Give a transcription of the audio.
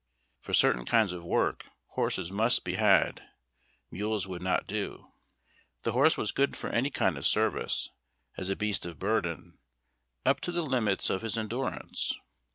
For certain kinds of work horses must be had, mules would not do. The horse was good for any kind of service, as a beast of burden, up to the limits of his endurance.